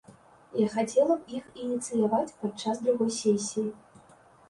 Я хацела б іх ініцыяваць падчас другой сесіі.